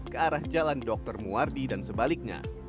ke arah jalan dr muwardi dan sebaliknya